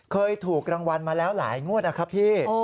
เคยถูกรางวัลมาแล้วหลายงวดนะครับพี่